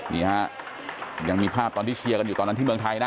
นี่ฮะยังมีภาพตอนที่เชียร์กันอยู่ตอนนั้นที่เมืองไทยนะ